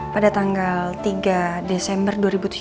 pada tanggal tiga desember dua ribu tujuh belas